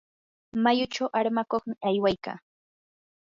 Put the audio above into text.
mayuchu armakuqmi aywaykaa.